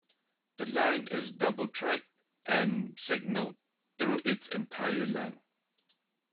The line is double-track and signaled through its entire length.